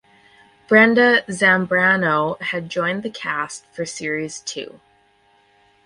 Brenda Zambrano had joined the cast for series two.